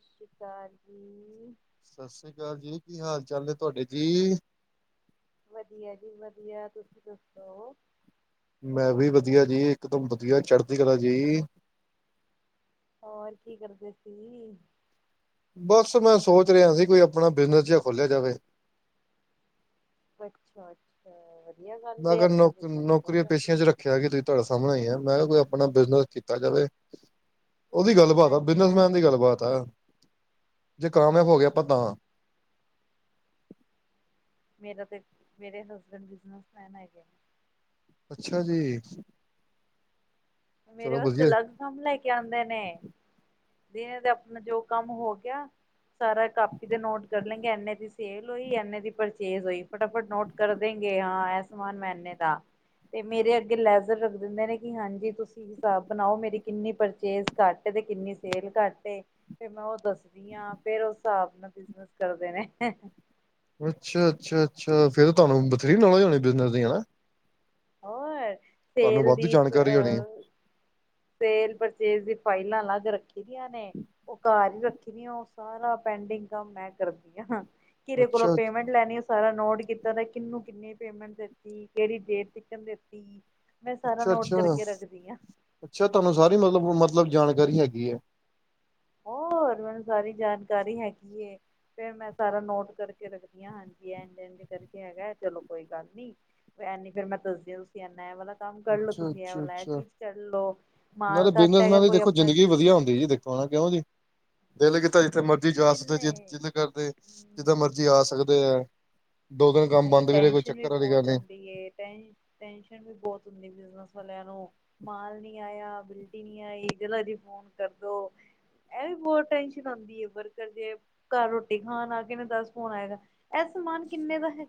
ਸਸ੍ਰੀ ਅਕਾਲ ਜੀ। ਸਸ੍ਰੀ ਕਾਲ ਜੀ! ਕੀ ਹਾਲ ਚਾਲ ਨੇ ਤੁਹਾਡੇ ਜੀ? ਵਧੀਆ ਜੀ ਵਧੀਆ, ਤੁਸੀਂ ਦੱਸੋ? ਮੈਂ ਵੀ ਵਧੀਆ ਜੀ, ਇਕਦਮ ਵਧੀਆ, ਚੜ੍ਹਦੀ ਕਲਾ ਜੀ! ਹੋਰ ਕੀ ਕਰਦੇ ਸੀ? ਬਾਸ, ਮੈਂ ਸੋਚ ਰਿਆ ਸੀ ਕੋਈ ਆਪਣਾ ਬਿਜਨਸ ਜਿਆ ਖੋਲਿਆ ਜਾਵੇ। ਅੱਛਾ, ਅਛ। ਮੈਂ ਅਗਰ ਨੌਕ-ਨੌਕਰੀਆਂ ਖੋਲ੍ਹਿਆ। ਪੇਸ਼ੀਆਂ 'ਚ ਰੱਖ ਖਿਆ ਕਿ ਤੁਹੀ ਤੁਹਾਡੇ ਸਾਹਮਣੇ ਈ ਐ, ਮੈਂ ਕਿਆ ਕੋਈ ਆਪਣਾ ਬਿਜਨਸ ਕੀਤਾ ਜਾਵੇ। ਓਦੀ ਗੱਲਬਾਤ ਆ, ਹਾਂਜੀ ਬਿਜਨਸਮੈਨ ਦੀ ਹਾਂਜੀ ਗੱਲਬਾਤ ਆ, ਜੇ ਕਾਮਯਾਬ ਹੋ ਗੇ ਆਪਾਂ ਤਾਂ! ਮੇਰਾ ਤੇ, ਮੇਰੇ ਹਸਬੈਂਡ ਬਿਜਨਸ ਮੈਨ ਹੈਗੇ। ਅੱਛਾ ਜੀ! ਮੇਰੇ ਚਲੋ ਵਸਤੇ ਵਧੀਆ ਅਲੱਗ ਕੰਮ ਲੈ ਕੇ ਆਂਦੇ ਨੇ। ਦੀਆਂ ਦਾ ਆਪਣਾ ਜੋ ਕੰਮ ਹੋ ਗਿਆ, ਸਾਰਾ ਕਾਪੀ ਤੇ ਨੋਟ ਕਰ ਲੈਂਗੇ ਏਨੇ ਦੀ ਸੇਲ ਹੋਈ, ਏਨੇ ਦੀ ਪਰਚੇਜ਼ ਹੋਈ, ਫਟਾਫਟ ਨੋਟ ਕਰ ਦੇਂਗੇ, ਹਾਂ ਐ ਸਮਾਨ ਮੈਂ ਏਨੇ ਦਾ ਤੇ ਮੇਰੇ ਅੱਗੇ ਲੈਜ਼ਰ ਰੱਖ ਦਿੰਦੇ ਨੇ ਕਿ ਹਾਂਜੀ ਤੁਸੀਂ ਹਿਸਾਬ ਬਣਾਓ ਮੇਰੀ ਕਿੰਨੀ ਪਰਚੇਜ ਘੱਟ ਤੇ ਕਿੰਨੀ ਸੇਲ ਘੱਟ ਏ, ਫੇਰ ਮੈਂ ਓ ਦੱਸਦੀ ਆਂ, ਫੇਰ ਓ ਹਿਸਾਬ ਨਾਲ ਬਿਜਨਸ ਕਰਦੇ ਨੇ। ਅੱਛਾ-ਅੱਛਾ-ਅੱਛਾ! ਫੇਰ ਤੋਨੁ ਬਥੇਰੀ ਨੌਲੇਜ ਹੋਣੀ ਬਿਜਨਸ ਦੀ, ਹਨਾ? ਹੋਰ ਤੁਹਾਨੂੰ ਸੇਲ ਵਾਧੂ ਦੀਪ ਜਾਣਕਾਰੀ ਹੋਣੀ ਅਹ ਸੇਲ-ਪਰਚੇਜ ਦੀ ਫਾਇਲਾਂ ਅਲੱਗ ਰੱਖੀ ਦੀਆਂ ਨੇ। ਓ ਘਰ ਹੀ ਰੱਖੀ ਦੀਆਂ, ਓ ਸਾਰਾ ਪੈਂਡਿੰਗ ਕੰਮ ਮੈਂ ਕਰਦੀ ਆ ਹਾਂ। ਕਿਦੇ ਕੋਲੋਂ ਅੱਛਾ ਪੇਮੈਂਟ ਲੈਣੀ, ਸਾਰਾ ਨੋਟ ਕੀਤਾ ਤੇ ਕਿਨੂੰ ਕਿੰਨੀ ਪੇਮੈਂਟ ਦਿੱਤੀ, ਕੇੜੀ ਡੇਟ ਦੇਤੀ ਅੱਛਾ-ਅੱਛਾ, ਅੱਛਾ ਤੋਨੂੰ ਸਾਰੀ ਮਤਲਬ ਓ ਮਤਲਬ ਜਾਣਕਾਰੀ ਹੈਗੀ ਐ! ਹੋਰ ਮੈਨੂੰ ਸਾਰੀ ਜਾਣਕਾਰੀ ਹੈਗੀ ਏ, ਫੇਰ ਮੈਂ ਸਾਰਾ ਨੋਟ ਕਰਕੇ ਰੱਖਦੀ ਆਂ। ਹਾਂਜੀ, ਐਂਜ-ਐਂਜ ਕਰਕੇ ਹੈਗਾ, ਚਲੋ ਕੋਈ ਗੱਲ ਨੀ, ਐ ਨੀ, ਫੇਰ ਮੈਂ ਦੱਸਦੀ ਯਾਂ ਮੈਂ ਐ ਵਾਲਾ ਕੰਮ ਕਰਲੋ, ਅੱਛਾ ਤੁਸੀਂ ਐ ਅੱਛਾ ਵਾਲਾ ਇਹ ਅੱਛਾ ਚੀਜ਼ ਕਰ ਲੋ। ਮਾਲ ਨਾਲੇ ਘੱਟ ਹੈਗਾ ਬਜ਼ਨਸੈਨ ਦੀ ਕੋਈ ਦੇਖੋ ਆਪਣਾ ਜਿੰਦਗੀ ਵਧੀਆ ਹੁੰਦੀ ਜੀ, ਦੇਖ ਹੋਨਾਂ ਕਿਉਂ ਜੀ, ਦਿਲ ਕੀਤਾ ਜਿੱਥੇ ਮਰਜੀ ਜਿਥੇ ਜਿੱਦ ਕਰਦੇ। ਜਿੰਨੇ ਜਿੱਦਾਂ ਮਰਜ਼ੀ ਆ ਸਕਦੇ ਐ। ਨਈ ਟੈਸ਼ਨ ਵੀ ਵਾਲੀ ਗੱਲ ਬੌਤ ਨਹੀਂ ਹੋਂਦੀ ਏ, ਟੈ, ਟੈਸ਼ਨ ਵੀ ਬੌਤ ਹੋਂਦੀ ਬਿਜ਼ਨਸ ਵਾਲਿਆਂ ਨੂੰ, ਮਾਲ ਨੀ ਆਇਆ ਬਿਲਟੀ ਨੀ ਆਈ, ਚਲੋ ਜੀ, ਫੋਨ ਕਰਦੋ। ਐ ਵੀ ਬੌਤ ਟੈਨਸ਼ਨ ਆਂਦੀ ਏ, ਵਰਕਰ ਜੇ ਘਰ ਰੋਟੀ ਖਾਣ ਆ ਗੇ ਨੇ, ਦੱਸ ਫੋਨ ਆਏਗਾ। ਐ ਸਮਾਨ ਕਿੰਨੇ ਦਾ ਹੈ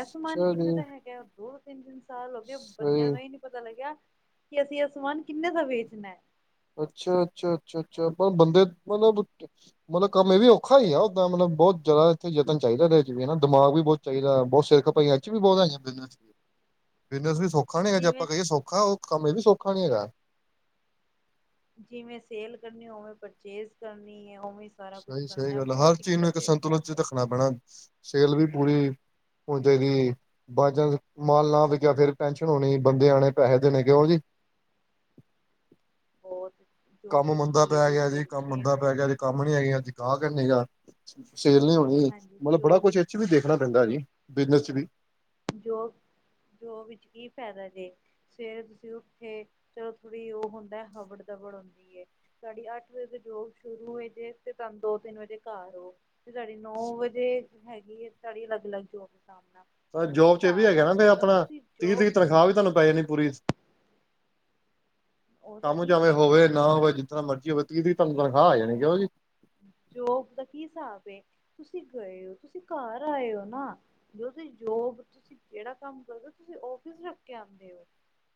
ਇਹ ਸਮਾਨ ਅੱਛਾ ਕਿੰਨੇ ਜੀ ਦਾ ਹੈਗਾ? ਦੋ-ਤਿੰਨ-ਤਿੰਨ ਸਾਲ ਹੋ ਗਏ, ਬੰਦਿਆਂ ਸਹੀ ਨੂੰ ਏ ਨੀ ਪਤਾ ਪਤਾ ਲੱਗਿਆ ਕਿ ਅਸੀਂ ਐ ਸਮਾਨ ਕਿੰਨੇ ਦਾ ਵੇਚਣਾ ਐ? ਅੱਛਾ, ਅੱਛਾ, ਅੱਛਾ, ਅੱਛਾ, ਬ ਬੰਦੇ ਮਲਬ- ਮਤਲਬ ਕੰਮ ਐ ਵੀ ਔਖਾ ਈ ਆ, ਓਦਾਂ ਮਲਬ ਬੌਤ ਜਾਦਾ ਏਥੇ ਯਤਨ ਚਾਹੀਦਾ, ਏਦੇ 'ਚ ਵੀ ਨਾ ਦਿਮਾਗ ਵੀ ਬਹੁਤ- ਚਾਹੀਦਾ ਬੌਤ ਸਿਰ ਖਪਾਈ ਏਦ ਚ ਵੀ ਬੌਤ ਹੈਗੀ, ਬਿਸਨੇਸ 'ਚ, ਬਿਸਣੇਸ ਵੀ ਸੌ- ਖਾਣੇ ਆ ਜੇ ਆਪਾਂ ਜਿਵੇਂ ਕਹੀਏ ਸੌਖਾ, ਓ ਕੰਮ ਏ ਵੀ ਸੌਖਾ ਨੀ ਹੈਗਾ। ਜਿਵੇਂ ਸੇਲ ਕਰਨੀ, ਓਵੇਂ ਪਰਚੇਜ ਕਰਨੀ ਐ, ਓਵੇਂ ਸਾਰਾ ਕੁਛ ਕਰਨਾ, ਬੌਤ ਦਿੱਕਤ ਏ ਬੌਤ ਆਪਣਾ ਸੇਲ ਵੀ ਪੂਰੀ ਹੋ ਜਾਏਗੀ। ਬਾਈ ਚਾਂਸ ਮਾਲ ਨਾ ਵਿਕਿਆ ਫਿਰ ਟੈਨਸ਼ਨ ਹੋਣੀ ਬੰਦੇ ਆਣੇ ਪੈਸੇ ਦੇਣੇ ਕਿਉ ਜੀ- ਹੋਰ- ਕੰਮ ਮੰੰਦਾ ਪੈ ਗਿਆ ਜੀ ਕੰਮ ਮੰੰਦਾ ਪੈ ਗਿਆ ਜੀ ਕੰਮ ਨੀ ਹੈਗੇ ਗਾਹਕ ਨੀਗਾ ਸੇਲ ਨੀ- ਹ ਹਾਂਜੀ ਮਤਲਬ ਬੜਾ ਜੋਬ ਕੁਛ ਵਿੱਚ ਇਹ ਚ ਵੀ ਦੇਖਣਾ ਪੈਂਦਾ ਜੀ ਬਿਜਨਸ ਚ ਵੀ- ਜੋ ਜੋਬ ਵਿੱਚ ਕੀ ਫਾਇਦਾ ਜੇ ਸਵੇਰੇ ਤੁਸੀਂ ਉੱਠੇ ਚਲੋ ਥੋੜ੍ਹੀ ਉਹ ਹੁੰਦਾ ਹਬੜ ਦਬੜ ਹੁੰਦੀ ਏ ਸਾਡੀ ਅੱਠ ਵਜੇ ਤੋਂ ਜੋਬ ਸ਼ੁਰੂ ਹੋਈ ਜੇ ਤੇ ਤੁਹਾਨੂੰ ਦੋ ਤਿੰਨ ਵਜੇ ਘਰ ਓ ਤੇ ਸਾਡੀ ਨੌ ਵਜੇ ਹੈਗੀ ਹੈ ਸਾਡੀ ਅਲੱਗ ਅਲੱਗ ਜੋਬ ਸਾਹਮਣਾ- ਤਾਂ ਜੇ ਤੁਸੀਂ ਜੋਬ ਚ ਇਹ ਵੀ ਘਰ ਹੈਗਾ ਨਾ ਆਉਂਦੇ ਹੋ ਆਪਣਾ ਤੁਸੀਂ ਤੀਹ ਜੋਬ ਤਰੀਖ ਤਨਖਾਹ ਵੀ ਤੁਹਾਨੂੰ ਪੈ ਜਾਣੀ ਪੂਰੀ- ਉਹ ਤੇ ਕੰਮ ਠੀਕ ਚਾਵੇਂ ਹੈ ਹੋਵੇ ਨਾ ਹੁਣ ਹੋਵੇ ਤੁਸੀਂ ਜਿਸ ਤਰ੍ਹਾਂ ਮਰਜ਼ੀ ਹੋਵੇ ਤੀਹ ਤਰੀਖ ਤਨਖਾਹ ਆ ਜਾਣੀ ਕਿਉ ਜੀ- ਜੋਬ ਦਾ ਕੀ ਹਿਸਾਬ ਏ ਤੁਸੀਂ ਗਏ ਹੋ ਤੁਸੀਂ ਘਰ ਆਏ ਹੋ ਨਾ- ਜੋਬ ਤੁਸੀਂ ਕਿਹੜਾ ਕੰਮ ਕਰਦੇ ਤੁਸੀਂ ਉਫਿਸ ਰੱਖ ਕੇ ਆਉਂਦੇ ਹੋ-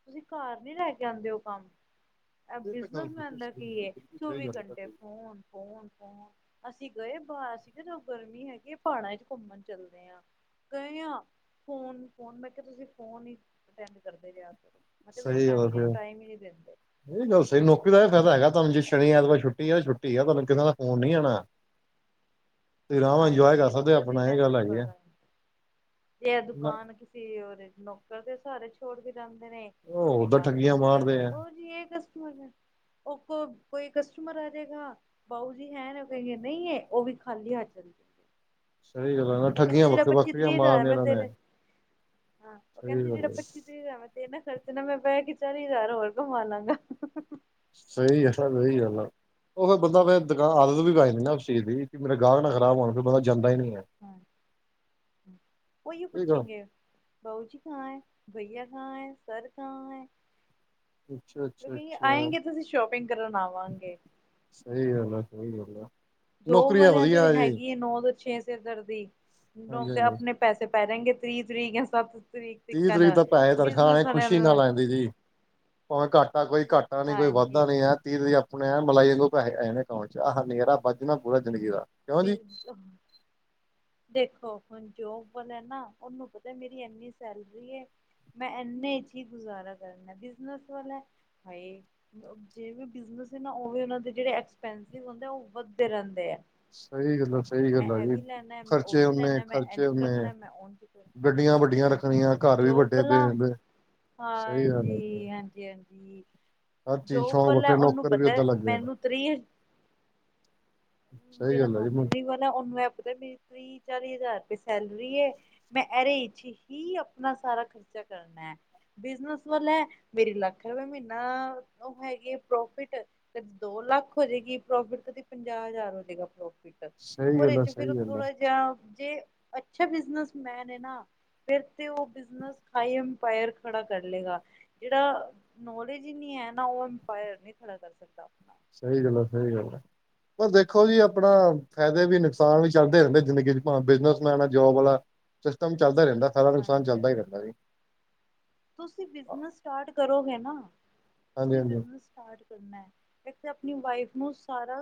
ਤੁਸੀਂ ਘਰ ਨੀ ਲੈ ਕੇ ਆਉਂਦੇ ਉਹ ਕੰਮ- ਐ ਇਹ ਤਾਂ ਗੱਲ ਬਿਜਨਸ ਮੈਂਨ ਬਿਲਕੁਲ ਦਾ ਸਹੀ ਹੈ ਕੀ ਏ ਬਿਲਕੁਲ ਸਹੀ ਚੌਵੀ ਗੱਲ ਹੈ ਘੰਟੇ ਤੁਹਾਡੀ ਫੋਨ ਫੋਨ ਫੋਨ- ਅਸੀਂ ਗਏ ਬਾਹਰ ਅਸੀਂ ਕਿਹਾ ਚਲੋ ਗਰਮੀ ਹੈਗੀ ਏ ਪਹਾੜਾਂ ਚ ਘੁੰਮਣ ਚੱਲਦੇ ਹਾਂ- ਗਏ ਆ ਫੋਨ ਫੋਨ ਮੈਂ ਕਿਹਾ ਤੁਸੀਂ ਫੋਨ ਹੀ ਅਟੈਂਡ ਕਰਦੇ ਰਿਹਾ ਕਰੋ ਮੈਂ ਕਿਹਾ ਤੁਸੀਂ ਸਹੀ ਗੱਲ ਫੈਮਿਲੀ ਨੂੰ ਟਾਈਮ ਹੀ ਨਹੀਂ ਦਿੰਦੇ ਫਿਰ- ਇਹ ਗੱਲ ਸਹੀ ਨੌਕਰੀ ਦਾ ਫਾਇਦਾ ਹੈਗਾ ਤੁਹਾਨੂੰ ਜੇ ਸ਼ਨੀ ਐਤਵਾਰ ਛੁੱਟੀ ਆ ਛੁੱਟੀ ਆ ਤੁਹਾਨੂੰ ਕਿਸੇ ਦਾ ਫੋਨ ਨਹੀਂ ਆਉਣਾ- ਤੇ ਰਾਮ ਨਾਲ ਇੰਜੋਏ ਕਰ ਹਾਂਜੀ ਸਕਦੇ ਉੱਥੇ ਅਸੀਂ ਆਪਣਾ ਇਹ ਗੱਲ ਮੈਸੇਜ ਹੈਗੀ ਪਾ ਆ- ਦਾਂਗੇ ਜੇ ਐ ਨਾ ਦੁਕਾਨ ਕਿਸ- ਤੇ ਉਦੇ ਨੌਕਰਾਂ ਦੇ ਸਹਾਰੇ ਛੋੜ ਵੀ ਜਾਂਦੇ ਨੇ ਉਹ ਓਦਾਂ ਪਾਸ ਠੱਗੀਆਂ ਫੋਨ ਕਰਦੇ ਮਾਰਦੇ ਆ ਲਓ ਜੀ ਇਹ- ਤੂੰ ਆਜਾ ਉਹ ਕੋ ਕੋਈ ਕਸਟਮਰ ਆ ਜਾਏਗਾ ਬਾਉ ਜੀ ਹੈ ਨਾ ਕਹਏ ਨਹੀਂ ਉਹ ਵੀ ਖਾਲੀ ਹੱਥ ਚਲ ਸਹੀ ਗੱਲ ਹੈ ਨਾ ਉਹ ਠੱਗੀਆਂ ਕਹਿੰਦੇ ਜਿਹੜਾ ਵੱਖ ਪੱਚੀ ਵੱਖਰੀਆਂ ਤ੍ਰੀਕ ਆਏ ਮਾਰਨੀਆਂ ਮੈਂ ਇਹਨਾਂ ਨੇ ਤੇਰੇ ਹਾਂ ਉਹ ਸਹੀ ਕਹਿੰਦੇ ਜਿਹੜਾ ਗੱਲ ਆ, ਪੱਚੀ- ਜ਼ ਮੈਂ ਤੇ ਨਾ ਖਰਚਣਾ ਮੈਂ ਪਹਿ ਕੇ ਚਾਲੀ ਹਜ਼ਾਰ ਹੋਰ ਕਮਾ ਲਾਂਗਾ- ਸਹੀ ਹੈ ਸਹੀ ਗੱਲ ਉਹ ਫਿਰ ਬੰਦਾ ਮੈਂ ਦੁਕਾਨ ਆਦਤ ਵੀ ਪੈ ਜਾਂਦੀ ਉਸ ਚੀਜ਼ ਦੀ ਕਿ ਮੇਰਾ ਗਾਹਕ ਨਾ ਖ਼ਰਾਬ ਹੋਣ ਫਿਰ ਬੰਦਾ ਜਾਂਦਾ ਹੀ ਨਹੀਂ ਹੈ- ਹਾਂ ਉਹੀਉ ਠੀਕ ਆ ਪੁੱਛਣਗੇ ਬਾਊ ਜੀ ਕਹਾ ਹੈ ਭਈਆ ਕਹਾਂ ਹੈ ਸਰ ਕਹਾਂ ਹੈ ਅੱਛਾ ਅੱਛਾ ਕਏ ਅੱਛਾ ਆਏਗੇ ਤਾਂ ਅਸੀਂ ਸ਼ੋਪਿੰਗ ਕਰਨ ਆਵਾਂਗੇ- ਸਹੀ ਗੱਲ ਆ ਸਹੀ ਗੱਲ ਆ- ਜੋਬ ਨੌਕਰੀਆਂ ਵਾਲਿਆਂ ਦੀ ਵਧੀਆ ਜੀ ਹੈਗੀ ਹੈ ਏ ਨੌ ਤੋਂ ਛੇ ਸਿਰ ਦਰਦੀ ਹਾਂਜੀ ਤੇ ਹਾਂਜੀ ਆਪਣੇ- ਪੈਸੇ ਪੈ ਜਾਏਗੇ ਤੀਹ ਤਰੀਕ ਹੈ ਸਬ ਤੀਹ ਤਰੀਕ ਤਾਂ ਪੈਹੇ ਤਰਖ਼ਾਹ ਨੇ ਖੁਸ਼ੀ ਨੂੰ ਨਾਲ ਆਉਦੀ ਜੀ- ਭਾਵੇਂ ਘਾਟਾ ਕੋਈ ਘਾਟਾ ਨੀ ਕੋਈ ਹਾਂਜੀ ਵਾਧਾ ਨੀ ਹੈ ਤੀਹ ਤਰੀਖ ਹੁਣੇ ਐਂਨ ਮਲਾਈੰ ਵਾਂਗੂ ਪੈਹੇ ਆ ਜਾਣੇ ਅਕਾਊਂਟ ਵਿੱਚ ਆਹ ਹਨੇਰਾ ਵੱਜ ਜਾਣਾ ਪੂਰਾ ਜ਼ਿੰਦਗੀ ਦਾ- ਕਿਉਂ ਜੀ ਬ- [unintelligible] ਦੇਖੋ ਹੁਣ ਜੋਬ ਵਾਲਾ ਨਾ ਉਹਨੂੰ ਪਤਾ ਮੇਰੀ ਇੰਨੀ ਸੈਲਰੀ ਐ ਮੈਂ ਇੰਨੇ ਚ ਹੀ ਗੁਜ਼ਾਰਾ ਕਰਨਾ ਹੈ, ਬਿਜ਼ਨਸ ਵਾਲਾ ਹਾਏ ਜੇ ਵੀ ਬਿਜਨਸ ਹੈ ਨਾ ਉਹ ਵੀ ਉਹਨਾਂ ਦੇ ਜਿਹੜੇ ਐਕਸਪਸਿਵ ਹੁੰਦੇ ਉਹ ਵੱਧਦੇ ਰਹਿੰਦੇ ਆ ਸਹੀ ਗੱਲ ਆ ਸਹੀ ਗੱਲ ਮੈਂ ਆ ਇਹ ਜੀ ਵੀ ਲੈਣਾ ਮੈਂ ਉਹ ਖਰਚੇ ਵੀ ਓਨੇ ਲੈਣਾ ਮੈਂ ਖਰਚੇ ਇੰਝ ਉਨੇ ਕਰਨਾ ਮੈਂ ਉਝ ਕਰਨਾ ਗੱਡੀਆਂ ਵੱਡੀਆਂ ਰੱਖਣੀਆਂ ਘਰ ਵੀ ਵੱਡੇ ਵੱਡੇ ਵੱਡੇ ਹਾਂ ਜੀ, ਹਾਂਜੀ ਹਾਂਜੀ। ਹਰ ਚੀਜ਼ ਜੋਬ ਸ਼ੌਂਕ ਵਾਲੈ ਵੱਖਰੇ ਉਨੂੰ ਨੌਕਰ ਵੀ ਪਤਾ ਐ ਓਦਾਂ ਲੱਗ ਜਾਏਗਾ ਮੈਨੂੰ ਤ ਰੀ ਸਹੀ ਜੇੜਾ ਗੱਲ ਹੈ ਜੀ ਨੌਕਰੀ ਵਾਲਾ ਉਨੂੰ ਐ ਪਤਾ ਬੀ ਕਿ ਤੀਹ-ਚਾਲੀ ਹਜਾਰ ਰਪਏ ਸੈਲਰੀ ਏ। ਮੈਂ ਐਰੇ ਇਚ ਹੀ ਆਪਨਾ ਸਾਰਾ ਖਰਚਾ ਕਰਨੈ। ਬਿਜਨਸ ਵਾਲਾ ਏ ਮੇਰੀ ਲੱਖ ਰਪਏ ਮੀਨਾ ਓ ਹੈਗੀ ਏ ਪ੍ਰੋਫਿਟ। ਕਦੀ ਦੋ ਲੱਖ ਹੋਜੇਗੀ ਪ੍ਰੋਫਿਟ ਕਦੀ ਪੰਜਾਅ ਹਜਾਰ ਹੋ ਜੇਗਾ ਪ੍ਰਾਫ਼ਿਟ ਸਹੀ ਓਰੇ ਗੱਲ ਆ ਇਚ ਫਿਰ ਸਹੀ ਗੱਲ ਆ ਥੋੜ੍ਹਾ ਜਿਆ ਜੇ ਅੱਛਾ ਬਿਜ਼ਨਸਮੈਨ ਏ ਨਾ। ਫੇਰ ਤੇ ਓ ਬਿਜ਼ਨਸ ਹਾਈ ਅੰਪਾਇਰ ਖੜ੍ਹਾ ਕਰ ਲੇਗਾ। ਜੇੜਾ ਨੌਲੇਜ ਈ ਨੀ ਹੈ ਨਾ ਓ ਅੰਪਾਇਰ ਨੀ ਖੜਾ ਕਰ ਸਕਦਾ ਆਪਨਾ ਸਈ ਗੱਲ ਆ, ਸਈ ਗੱਲ ਐ ਪਰ ਦੇਖੋ ਜੀ ਆਪਣਾ ਫੈਦੇ ਵੀ ਨੁਕਸਾਨ ਵੀ ਚੱਲਦੇ ਰੈਂਦੇ ਜਿੰਦਗੀ ਬਿਜ਼ਨਸਮੈਨ ਆ, ਜੋਬ ਆਲਾ ਸਿਸਟਮ ਚੱਲਦਾ ਰੈਂਦਾ ਫੈਦਾ ਨੁਕਸਾਨ ਚਲਦਾ ਈ ਰੈਂਦਾ ਜੀ। ਤੁਸੀ ਬਿਜਨਸ ਸਟਾਰਟ ਕਰੋਗੇ ਨਾ ਹਾਂਜੀ ਤੁਸੀ ਹਾਂਜੀ ਬਿਜ਼ਨਸ ਸਟਾਰਟ ਕਰਨੈ। ਏਕ ਤੇ ਆਪਨੀ ਵਾਈਫ ਨੂੰ ਸਾਰਾ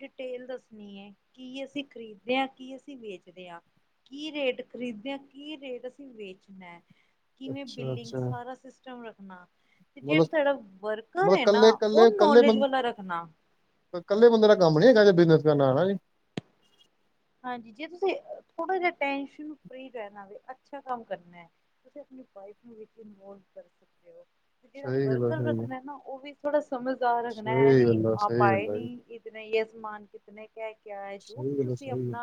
ਡਿਟੇਲ ਦੱਸਨੀ ਐ ਕਿ ਅਸੀ ਖਰੀਦਦੇ ਆਂ ਕੀ ਅਸੀ ਵੇਚਦੇ ਆਂ। ਕੀ ਰੇਟ ਖਰੀਦਦੇ ਆਂ, ਕੀ ਰੇਟ ਅਸੀ ਵੇਚਣਾ ਏ। ਕਿਵੇਂ ਅੱਛਾ ਬਿਲਿੰਗ, ਅੱਛਾ ਸਾਰਾ ਸਿਸਟਮ ਰੱਖਨਾ ਤੇ ਮਤਲਬ ਜੇੜਾ ਥਾਡਾ ਵਰਕਰ ਮਤਲਬ ਏ ਨਾ ਕੱਲੇ ਓ ਕੱਲੇ ਕੱਲੇ ਨੋਲੇਜ ਬੰ ਵਾਲਾ ਰੱਖਨਾ। ਕੱਲੇ ਬੰਦੇ ਦਾ ਕੰਮ ਨੀ ਹੈਗਾ ਜੇ ਡਿਨਰ ਕਰਨ ਆਣਾ ਜੇ। ਹਾਂਜੀ, ਜੇ ਤੁਸੀ ਥੋੜਾ ਜਿਆ ਟੈਨਸ਼ਨ ਫਰੀ ਰੈਣਾ ਵੇ, ਅੱਛਾ ਕੰਮ ਕਰਨਾ ਐ। ਤੁਸੀ ਆਪਣੀ ਵਾਈਫ ਨੂੰ ਵਿੱਚ ਇਨਵੋਲਵ ਕਰ ਸਕਦੇ ਓ। ਤੇ ਜੇੜਾ ਸਹੀ ਗੱਲ ਆ ਵਰਕਰ ਸਹੀ ਰੱਖਣਾ ਏ ਨਾ ਓਵੀ ਥੋੜ੍ਹਾ ਸਮਝਦਾਰ ਰੱਖਣਾ ਏ ਐ ਸਹੀ ਨਈ ਗੱਲ ਆ, ਆਪ ਸਹੀ ਆਏ ਗੱਲ ਆ ਨੀ ਜੀ, ਕਿ ਨਈ ਯੇ ਸਮਾਨ ਕਿਤਨੇ ਕਾ ਐ ਕਿਆ ਐ ਜੋ ਵੀ ਤੁਸੀ ਸਈ ਗੱਲ,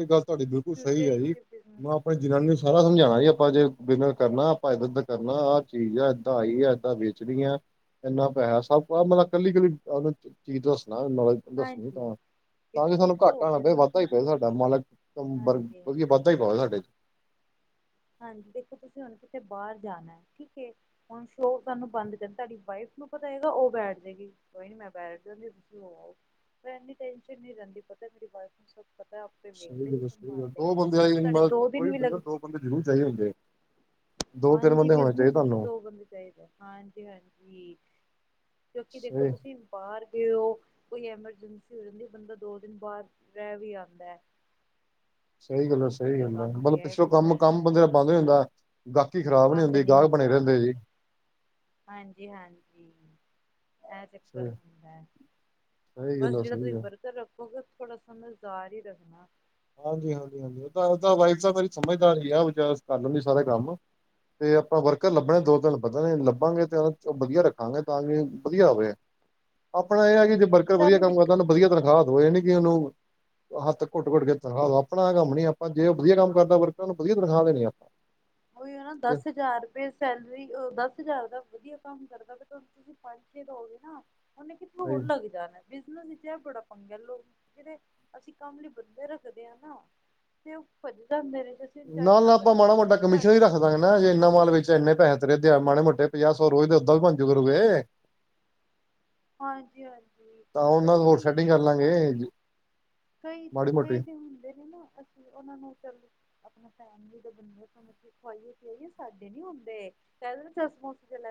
ਐ ਗੱਲ ਤੁਆਡੀ ਬਿਲਕੁਲ ਸਈ ਐ ਵਿੱਚ ਜੀ ਬਿਜਨਸ ਮੈ ਅਪ ਜਨਾਨੀ ਨੂੰ ਸਾਰਾ ਸਮਝਾਣਾ ਜੀ ਆਪਾਂ ਜੇ ਬਿਲੰਗ ਕਰਨਾ ਆਪਾਂ ਇੱਦਰ ਉੱਦਰ ਕਰਨਾ ਆ ਚੀਜ ਆ ਏਦਾਂ ਆਈ ਆ ਏਦਾ ਵੇ [unintelligible] ਏਨਾ ਪੈਹਾ ਸੱਬ ਬਾਰਲਾ ਕੱਲੀ ਕੱਲੀ ਆ ਚੀਜ਼ ਦਸਨਾ ਵਾਂ ਦਸ ਮਟ ਹਾਂਜੀ [unintelligible] ਤਾਂ ਵੀ ਕਿਉਂਕਿ ਸਾਨੂੰ ਦੇਖੋ ਘਾਟਾ ਨਾ ਪਏ, ਵਾਧਾ ਬਿਜਨਸ ਈ ਪਏ ਸਾਡਾ ਮਾਲਕ ਅ ਬਰ ਹਾਂਜੀ ਹਾਂਜੀ ਵਦੀਏ ਵਾਧਾ ਈ ਪਾਏ ਸਾਡੇ ਚ। ਹਾਂਜੀ, ਦੇਖੋ ਤੁਸੀ ਹੁਨ ਕਿਤੇ ਬਾਰ ਜਾਣਾ ਐ ਠੀਕ ਏ। ਹੁਨ ਸਲੋਅ ਤਾਨੂੰ ਬੰਦ ਕਰ ਪੇ ਤਾਡੀ ਵਾਈਫ ਨੂੰ ਪਤਾ ਹੋਏਗਾ, ਓ ਬੈਠ ਜੇਗੀ। ਕੋਈ ਨੀ ਮੈਂ ਬੈਠ ਜਾਂਦੀ ਤੁਸੀ ਹੋ ਆਓ ਫੇ ਏਨੀ ਟੈਨਸ਼ਨ ਰੈਂਦੀ ਪਤਾ ਮੇਰੀ ਵਾਈਫ ਨੂੰ ਸਬ ਪਤਾ ਵੇਖ ਸਹੀ ਲੇਗੀ ਗੱਲ ਆ, ਸਹੀ ਸੰਭਾਲ ਗੱਲ ਦੋ ਲੇਗੀ ਬੰਦੇ ਤੇ ਵਾਲੀ ਤਾਡੇ ਮਤਲਬ ਦੋ ਦਿਨ ਕੋਈ ਵੀ ਲੱਗ ਬਿਜਨਸ ਦੋ ਬੰਦੇ ਜਰੂਰ ਚਾਈਦੇ ਹੁੰਦੇ। ਦੋ ਤਿੰਨ ਹਾਂਜੀ, ਬੰਦੇ ਹੋਣੇ ਬਿਜਨਸ ਚਾਹੀਦੇ ਵਿੱਚ ਤੁਹਾਨੂੰ ਦੋ ਬੰਦੇ ਚਾਈਦੇ ਹਾਂਜੀ -ਹਾਂਜੀ। ਕਿਉਕਿ ਦੇਖੋ ਸਹੀ ਤੁਸੀ ਬਾਰ ਗਏ ਓ ਕੋਈ ਐਮਰਜੈਂਸੀ ਹੋ ਜਾਂਦੀ ਬੰਦਾ ਦੋ ਦਿਨ ਬਾਰ ਰੈ ਵੀ ਆਂਦਾ ਏ। ਸਈ ਗੱਲ ਐ, ਸਈ ਗੱਲ ਐ ਕੰਮ ਮਲਬ ਗਿਆ ਪਿੱਛਲੋ ਕੁਛ ਕੰਮ, ਕੰਮ ਐਸਾ ਬੰਦੇ ਹੈ ਦਾ ਬੰਦ ਹੋ ਜਾਂਦਾ। ਗਾਹਕੀ ਖਰਾਬ ਨੀ ਬੰਦ ਹੁੰਦੀ ਨਹੀਂ ਗਾਹਕ ਬਣੇ ਹੁੰਦਾ ਰੈਂਦੇ ਜੀ। ਹਾਂਜੀ, ਹਾਂਜੀ ਐ ਚੱਕਰ ਸਹੀ ਹੁੰਦੈ। ਸਹੀ ਗੱਲ ਬਸ ਆ ਜੇੜਾ ਸਹੀ ਤੁਸੀ ਗੱਲ ਵਰਕਰ ਰੱਖੋਗੇ ਥੋੜਾ ਸਮਝਦਾਰ ਈ ਰੱਖਣਾ। ਹਾਂਜੀ, ਹਾਂਜੀ, ਹਾਂਜੀ ਓ ਤਾ ਓਦਾ ਵਾਈਫ ਤਾ ਮੇਰੀ ਸਮਝਦਾਰ ਈ ਆ ਵਿਚਾਰ ਕਰ ਲੈਂਦੀ ਸਾਰਾ ਕੰਮ। ਤੇ ਆਪਾਂ ਵਰਕਰ ਲੱਭਣੇ ਦੋ ਹਾਂਜੀ ਤਿੰਨ ਵਧਣੇ ਲੱਭਾਂਗੇ ਤਾਂ ਓ ਬਦੀਆ ਰੱਖਾਂਗੇ ਤਾਂ ਵੀ ਬਧੀਆ ਓਵੇ। ਆਪਨਾ ਏ ਐ ਕਿ ਜੇ ਹਾਂਜੀ ਹਾਂਜੀ ਵਰਕਰ ਵਧੀਆ ਤੁਹਾਨੂੰ ਕੰਮ ਕਰਦਾ ਦਿੱਕਤ ਉਨੂੰ ਨ ਵਧੀਆ ਤਨਖਾਹ ਦੋ ਜਾਣੀ ਕਿ ਉਨੂੰ। ਹੱਥ ਘੁੱਟ -ਘੁੱਟ ਕੇ ਤਨਖਾਹ ਦੋ ਆਪਨਾ ਐ ਕੰਮ ਨੀ ਆਪਾਂ ਜੇ ਓ ਹਮ ਬਧੀਆ ਕੰਮ ਕਰਦਾ ਵਰਕਰਾਂ ਨੂੰ ਬਧੀਆ ਤਨਖਾਹ ਦੇਣੀ ਆ। ਉਹੀ ਹਨ ਨਾ ਦਸ ਹਜ਼ਾਰ ਰੁਪਏ ਸੈਲਰੀ ਦਸ ਹਜ਼ਾਰ ਦਾ ਵਧੀਆ ਕੰਮ ਕਰ ਤੁਹ ਤੁਸੀਂ ਪਹਚੇ ਦੋਗੇ ਨਾ ਉਹਨੇ ਕਿੱਥੇ ਸਹੀ ਹੋਰ ਲੱਗ ਜਾਣਾ। ਬਿਜਨਸ ਵਿੱਚ ਇਹ ਬੜਾ ਪੰਗਾ ਲੋਕ ਜਿਹੜੇ ਅਸੀਂ ਕੰਮ ਲਈ ਬੰਦੇ ਰੱਖਦੇ ਹ ਨਾ ਤੇ ਉਹ ਬਜ ਜਾਂਦੇ ਨੇ ਫੇਰ ਨਾ, ਨਾ ਆਪਾਂ ਮਾੜਾ ਮੌਟਾ ਕਮਿਸ਼ਨ ਹੀ ਰੱਖਦਾ ਗੇ ਨਾ ਜੇ ਇੰਨਾ ਮਾਲ ਵੇਚਿਆ ਇੰਨੇ ਪੈਸੇ ਤੇਰੇ ਮਾੜੇ ਮੋਟੇ ਪੰਜਾਹ ਸੌ ਰੋਜ਼ ਉੱਦਾ ਬਣਜੂਗੇ। ਹਾਂਜੀ, ਹਾਂਜੀ ਤਾਂ ਉਹਨਾਂ ਪਤਾ ਹੋਰ ਕੀ ਸੈਟਿੰਗ ਕਰ ਲਾਂਗੇ ਇਹਨਾ ਕਈ, ਮਾੜੀ ਮੋਟੀ ਕਈ ਦਿ ਹੁੰਦੇ ਨਾ ਉਹਨਾ ਨੂੰ ਚੱਲ ਆਪਣੇ ਫੈਮਿਲੀ ਦੇ ਬੰਦੇ ਸਮਜ ਖਵਾਈਏ ਪੀਆਈਏ ਸਾਡੇ ਨੀ ਹੁੰਦੇ ਪਹਲਾ ਦੱਸਣਾ ਸ ਇਹ ਗੱਲ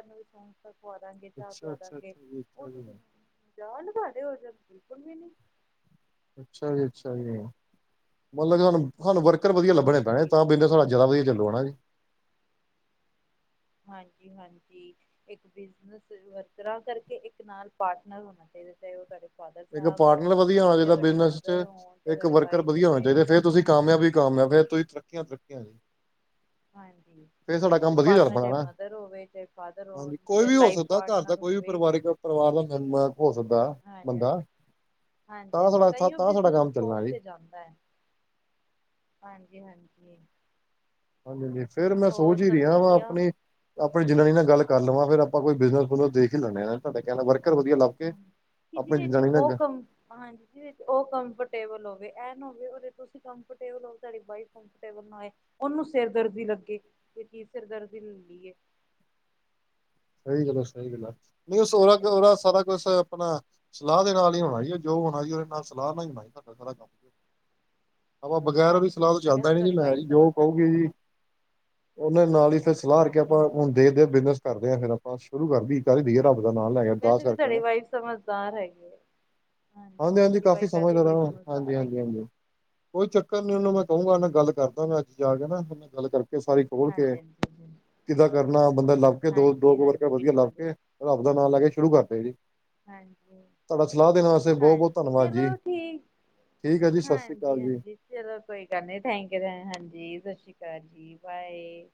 ਪਵਾ ਦਾਂਗੇ ਚਾਹ ਅੱਛਾ ਪਿਆ ਅੱਛਾ ਦਾਂਗੇ ਅੱਛਾ ਜੀ ਉਹ ਅੱਛਾ ਜੀ ਤੁਸੀਂ ਜਾ ਨਿਭਾਦੇ ਹੋ ਜਾਂ ਬਿਲਕੁਲ ਵੀ ਨੀ। ਅੱਛਾ ਜੀ, ਅੱਛਾ ਜੀ ਮਤਲਬ ਕਿ ਸਾਨੂੰ, ਸਾਨੂੰ ਵਰਕਰ ਵਧੀਆ ਹੋਰ ਲੱਭਣੇ ਪੈਣੇ ਕੀ ਤਾਂ ਬਿਜਨਸ ਸਾਡਾ ਜ਼ਿਆਦਾ ਵਧੀਆ ਚੱਲੋ ਹਣਾ ਜੀ। ਹਾਂਜੀ, ਹਾਂਜੀ। ਇਕ ਬਿਜ਼ਨਸ ਵਰਕਰਾਂ ਕਰਕੇ ਇੱਕ ਨਾਲ ਪਾਰਟਨਰ ਹੋਣਾ ਚਾਹੀਦਾ ਉਹ ਕਰ ਇੱਕ ਪਾਰਟਨਰ ਵਧੀਆ ਹੋਣਾ ਚਾਹੀਦਾ ਬਿਜਨਸ ਚ ਮਦਰ ਹੋਣ ਚਾਹੇ ਇੱਕ ਤੁਹਾਡੀ ਵਰਕਰ ਵਾਈਫ ਵਧੀਆ ਹੋਣਾ ਹੋਵੇ ਚਾਹੀਦਾ ਫੇਰ ਤੁਸੀਂ ਕਾਮਯਾਬ ਹੀ ਕਾਮਯਾਬ ਹੈ ਫੇਰ ਤੁਸੀ ਤਰੱਕੀਆਂ, ਤਰੱਕੀਆਂ ਜੀ। ਹਾਂਜੀ। ਫੇਰ ਸਾਡਾ ਕੰਮ ਵਧੀਆ ਚੱਲ ਪਾਟਨਰ ਪੈਣਾ ਚਾਹੇ ਨਾ ਮਦਰ ਹੋਵੇ ਚਾਹੇ ਫਾਦਰ ਹਾਂਜੀ ਹੋਵੇ ਚੇ ਲਾਈਫ ਪਾਟਨਰ ਹੋਵੇ ਪਰਵਾਰ ਦਾ ਮੈਂਬਰ ਹੋ ਸਕਦਾ ਹਾਂਜੀ ਬੰਦਾ ਹਾਂਜੀ ਤਾਂ ਸਾਡਾ ਤਾਈਓ ਤਾਂ ਸਾਡਾ ਬਿਜਨਸ ਕੰਮ ਚੱਲਣਾ ਟੋਪ ਜੀ ਤੇ ਜਾਂਦਾ। ਹਾਂਜੀ, ਹਾਂਜੀ। ਹਾਂਜੀ, ਹਾਂਜੀ ਫਿਰ ਮੈਂ ਹੋਰ ਸੋਚ ਹੀ ਸਭ ਰਿਹਾ ਵਾਂ ਵਧੀਆ ਆਪਣੀ ਆਪਣੇ ਜਾਨਣੀ ਨਾ ਗੱਲ ਕਰਲੇਵਾ ਫਿਰ ਆਪਾ ਕੋਈ ਬਿਜ਼ਨਸ ਬੁਜਨਸਦੇਖ ਹੀ ਲੇਦੇ ਤੁਹਾਡੇ ਕਹਿਣਾ ਵਰਕਰ ਵਧੀਆ ਲੱਬ ਕਿਨੀ ਦੇਰ ਓਹ ਕੰਮ ਹਾਂਜੀ ਵਿਚ ਉਹ ਕੰਫਰਟੇਬਲ ਹੋਵੇ ਐਨ ਹੋਵੇ ਤੁਸੀਂ ਕੰਫਰਟੇਬਲ ਹੋ ਤੁਹਾਡੀ ਵਾਈਫ ਏ ਉਹਨੂੰ ਸਿਰ ਦਰਦੀ ਲੱਗੇ ਕਿ ਕੀ ਸਿਰ ਦਰਦੀ ਲੈ ਲਈਏ ਏ। ਸਹੀ ਗੱਲ ਸਹੀ ਗੱਲ ਹੈ ਨਹੀਂ ਸੋਹਲਾ, ਸੋਹਲਾਸਾਰਾ ਕੁਛ ਆਪਣਾ ਸਲਾਹ ਦੇ ਨਾਲ ਹੀ ਹੋਣਾ ਜੋ ਹੋਣਾ ਜੀ ਉਹਦੇ ਨਾਲ ਸਲਾਹ ਨਾਲ ਹੀ ਹੋਣਾ ਸਾਡਾ ਸਾਰਾ ਕੰਮ ਆਪਾ ਬਗੈਰ ਉਹਦੀ ਹਾਂਜੀ ਸਲਾਹ ਤੋਂ ਹਾਂਜੀ ਚੱਲਦਾ ਹੀ ਵੈਸੇ ਨ ਜੀ ਤੁਹਾਡੀ ਮੈਂ ਵਾਈਫ ਜੀ ਜੋ ਸਮਝਦਾਰ ਕਹੂਗੀ ਜੀ। ਉਹਨੇ ਨਾਲ ਹੀ ਫਿਰ ਸਲਾਹ ਹਾਂਜੀ ਆਪਾਂ ਹੁਣ ਹਾਂਜੀ ਹਾਂਜੀ ਦੇਖਦੇ ਬਿਜਨਸ ਕਰਦੇ ਹਾਂ ਫਰ ਆਪਾਂ ਸ਼ੁਰੂ ਕਰ ਕਰਦੀਏ ਰੱਬ ਨਾਲ ਲੈ ਕੇ ਅਰਦਾਸ ਵੈਸੇ ਵੀ ਕਰਦੇ ਤੁਹਾਡੀ ਨੇ ਵਾਈਫ ਸਮਝਦਾਰ ਹੈਗੀ ਹੈ ਹਾਂਜੀ, ਹਾਂਜੀ ਤੁਹਾਡੀ ਕਾਫ਼ੀ ਵਾਈਫ ਵੈਸੇ ਸਮਂਝ ਹੀ ਇਹਨਾ ਬੜੀ ਨੂੰ ਹਾਂਜੀ, ਸਮਝਦਾਰ ਹਾਂਜੀ, ਹੈਗੀ ਹਾਂਜੀ। ਕੋਈ ਚੱਕਰ ਨੀ ਉਹਨੂੰ ਮੈਂ ਕਹੂੰਗਾਨਾ ਗੱਲ ਕਰਦਾ ਮੈਂ ਅੱਜ ਜਾ ਕੇ ਨਾ ਗੱਲ ਕਰਕੇ ਸਾਰੀ ਖੋਲ ਕੇ ਹਾਂਜੀ ਹਾਂਜੀ ਹਾਂਜੀ ਕਿੱਦਾਂ ਕਰਨਾ ਬੰਦਾ ਲੱਭ ਕੇ ਦੋ, ਦੋ ਹਾਂਜੀ ਕੁੋ ਵਰਕ ਹਾਂਜੀ ਵਧੀਆ ਲੱਭ ਬਿਲਕੁਲ ਜੀ ਕੇ ਰਬ ਦਾ ਨਾਂ ਲੈ ਕੇ ਸ਼ੁਰੂ ਕਰਦੇ ਜੀ। ਹਾਂਜੀ, ਤੁਹਾਡਾ ਸਲਾਹ ਦੇਣ ਵਾਸਤੇ ਬਹੁਤ ਬਹੁਤ ਹਾਂਜੀ ਧੰਨਵਾਦ ਜੀ ਚਲੋ ਠੀਕ। ਠੀਕ ਹੈ ਜੀ ਸਤਿ ਸ਼੍ਰੀ ਹਾਂਜੀ, ਅਕਾਲ ਜੀ ਹਾਂਜੀ। ਚਲੋ ਕੋਈ ਗੱਲ ਨੀ ਥੈਂਕ ਯ ਹਾਂਜੀ ਸਤ ਸ੍ਰੀ ਅਕਾਲ ਜੀ ਬਾਏ।